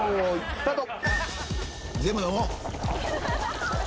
スタート。